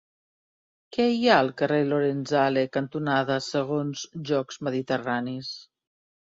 Què hi ha al carrer Lorenzale cantonada Segons Jocs Mediterranis?